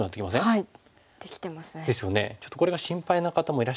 はい。